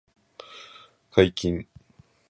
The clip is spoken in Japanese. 解禁